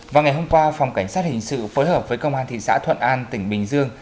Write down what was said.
vào ngày hôm qua phòng cảnh sát hình sự phối hợp với công an thị xã thuận an tỉnh bình dương